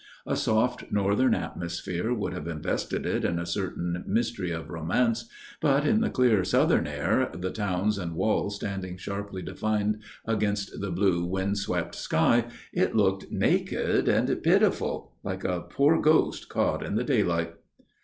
A soft northern atmosphere would have invested it in a certain mystery of romance, but in the clear southern air, the towers and walls standing sharply defined against the blue, wind swept sky, it looked naked and pitiful, like a poor ghost caught in the daylight.